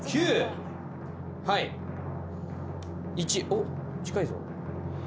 おっ近いぞ。